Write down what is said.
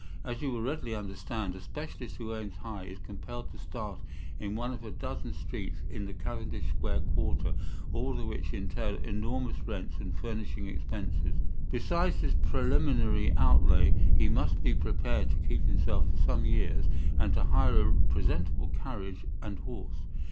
As you will readily understand, a specialist who aims high is compelled to start in one of a dozen streets in the Cavendish Square quarter, all of which entail enormous rents and furnishing expenses. Besides this preliminary outlay, he must be prepared to keep himself for some years, and to hire a presentable carriage and horse.